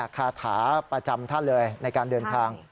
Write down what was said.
คาถาประจำท่านเลยในการเดินทาง